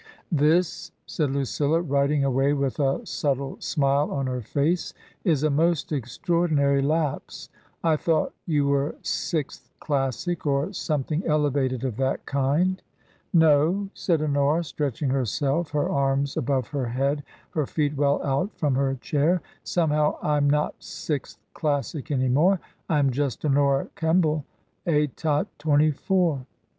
" This," said Lucilla, writing away with a subtle smile on her face, " is a most extraordinary lapse. I thought you were sixth classic — or something elevated of that kind." 96 TRANSITION. " No," said Honora, stretching herself, her arms above her head, her feet well out from her chair ;" somehow Fm not sixth classic any more. I am just Honora Kem ball, aetat twenty four.